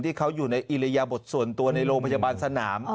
ที่เขาอยู่ในอิริยบทส่วนตัวในโรงพยาบาลสนาม